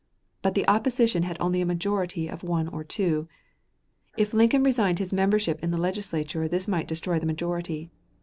But the opposition had only a majority of one or two. If Lincoln resigned his membership in the Legislature this might destroy the majority.